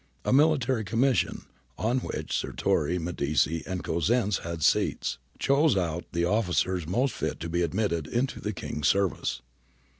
A military commission, on which Sirtori, Medici, and Cosenz had seats, chose out the officers most fit to be admitted into the King's service.